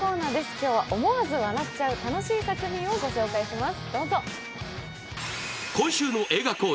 今日は思わず笑っちゃう楽しい作品をご紹介します。